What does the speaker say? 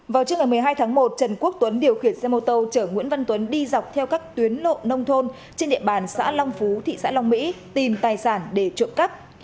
vào trước ngày một mươi hai tháng một trần quốc tuấn điều khiển xe mô tô chở nguyễn văn tuấn đi dọc theo các tuyến lộ nông thôn trên địa bàn xã long phú thị xã long mỹ tìm tài sản để trộm cắp